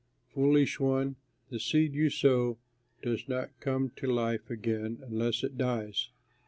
Foolish one! The seed you sow does not come to life again unless it dies.